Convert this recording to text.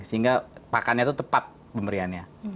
sehingga pakannya itu tepat pemberiannya